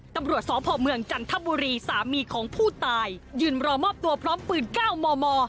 ตำรวจสพเมืองจันทบุรีสามีของผู้ตายยืนรอมอบตัวพร้อมปืน๙มม